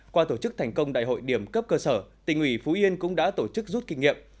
qua tổ chức thành công đại hội điểm cấp cơ sở tỉnh ủy phú yên cũng đã tổ chức rút kinh nghiệm